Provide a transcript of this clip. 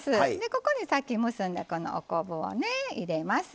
ここにさっき結んだこのお昆布をね入れます。